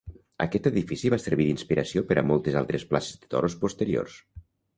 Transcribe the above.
Aquest edifici va servir d'inspiració per a moltes altres places de toros posteriors.